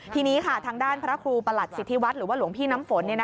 ทีนี้ค่ะทางด้านพระครูประหลัดสิทธิวัฒน์หรือว่าหลวงพี่น้ำฝน